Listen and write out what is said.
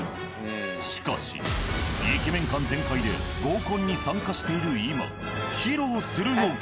しかしイケメン感全開で合コンに参加している今披露するのか？